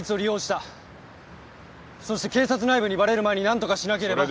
そして警察内部にバレる前になんとかしなければ。